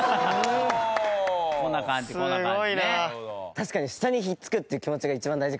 確かに下にひっつくって気持ちが一番大事かも。